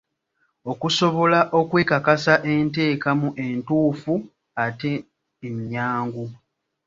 Okusobola okwekakasa enteekamu entuufu ate ennyangu.